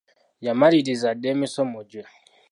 Yamaliriza dda emisomo gye.